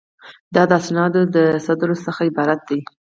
دا د اسنادو د صدور څخه عبارت دی.